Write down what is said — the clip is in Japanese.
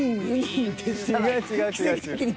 違う違う。